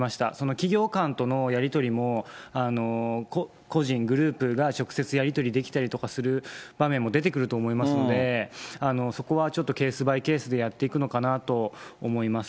企業間とのやり取りも、個人、グループが直接、やり取りできたりとかする場面も出てくると思いますので、そこはちょっとケースバイケースでやっていくのかなと思います。